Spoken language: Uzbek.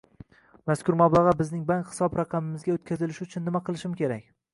Mazkur mablag‘lar bizning bank hisob raqamimizga o‘tkazilishi uchun nima qilishim kerak?